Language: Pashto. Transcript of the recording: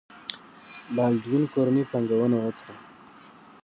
بالډوین کورنۍ پانګونه وکړه.